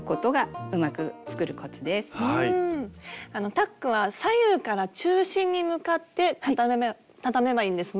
タックは左右から中心に向かってたためばいいんですね。